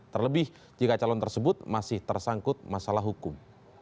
terlebih jika calon tersebut masih tersangkut masalah hukum